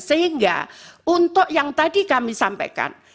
sehingga untuk yang tadi kami sampaikan